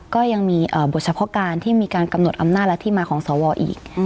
ก็ยังมีบทเฉพาะการที่มีการกำหนดอำนาจและที่มาของสวอีก